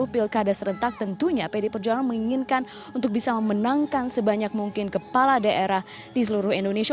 dua ribu dua puluh pilkada serentak tentunya pdi perjuangan menginginkan untuk bisa memenangkan sebanyak mungkin kepala daerah di seluruh indonesia